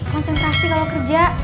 konsentrasi kalau kerja